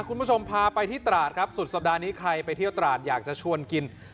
คุณผู้ชมพาไปที่ตราดครับสุดสัปดาห์นี้ใครไปเที่ยวตราดอยากจะชวนกิน